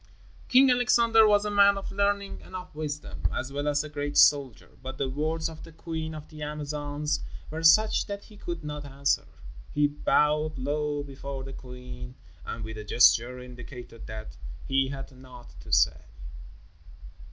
King Alexander was a man of learning and of wisdom, as well as a great soldier, but the words of the queen of the Amazons were such that he could not answer. He bowed low before the queen and with a gesture indicated that he had naught to say.